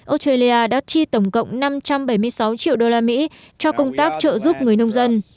australia đã chi tổng cộng năm trăm bảy mươi sáu triệu đô la mỹ cho công tác trợ giúp người nông dân